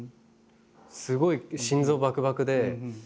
すごい心臓ばくばくで。